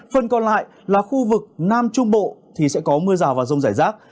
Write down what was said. phần còn lại là khu vực nam trung bộ thì sẽ có mưa rào và rông rải rác